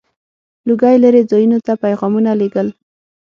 • لوګی لرې ځایونو ته پيغامونه لیږل.